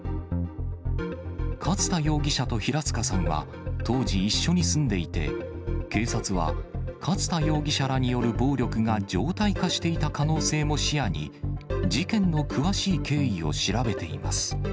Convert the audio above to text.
勝田容疑者と平塚さんは当時、一緒に住んでいて、警察は、勝田容疑者らによる暴力が常態化していた可能性も視野に、事件の詳しい経緯を調べています。